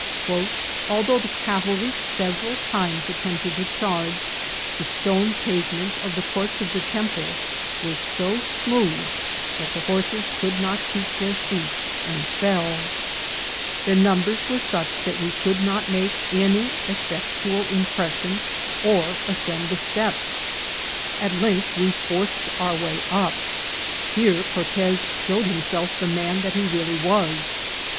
" Although the cavalry several times attempted to charge, the stone pavements of the courts of the temple were so smooth that the horses could not keep their feet, and fell." VOL. II.— 3 L 450 INCIDENTS OP TRAVEL. " Their numbers were such that we could not make any effectual impression or ascend the steps. At length we forced our way up. Here Cortez showed himself the man that he really was.